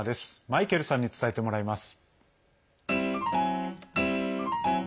マイケルさんに伝えてもらいます。